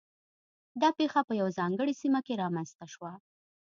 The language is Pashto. دا پېښه په یوه ځانګړې سیمه کې رامنځته شوه.